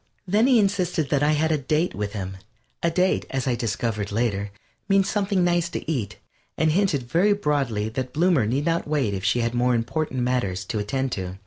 Then he insisted that I had a "date" with him. A date, as I discovered later, means something nice to eat and hinted very broadly that Bloomer need not wait if she had more important matters to attend to.